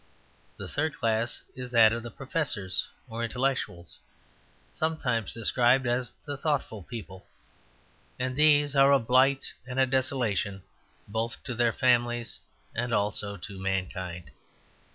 The third class is that of the Professors or Intellectuals; sometimes described as the thoughtful people; and these are a blight and a desolation both to their families and also to mankind.